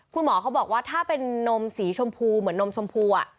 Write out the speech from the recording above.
คุณหมอเขาบอกว่าถ้าเป็นนมสีชมพูเหมือนนมชมพู